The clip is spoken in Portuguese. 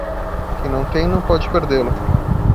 Quem não tem, não pode perdê-lo.